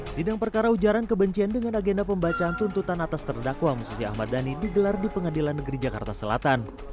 sidang perkara ujaran kebencian dengan agenda pembacaan tuntutan atas terdakwa musisi ahmad dhani digelar di pengadilan negeri jakarta selatan